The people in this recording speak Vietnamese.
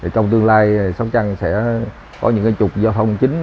trong tương lai sóc trăng sẽ có những trục giao thông chính